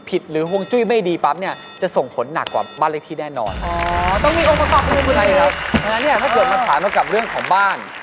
เพราะฉะนั้นเนี่ยถ้าเกิดมาถามเรื่องของบ้าน